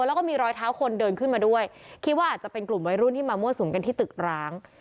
แล้วก็มีรอยเท้าคนเดินขึ้นมาด้วยคิดว่าอาจจะเป็นกลุ่มวัยรุ่นที่มามั่วสุมกันที่ตึกร้าง